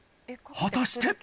果たして？